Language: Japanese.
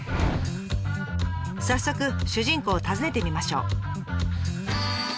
早速主人公を訪ねてみましょう。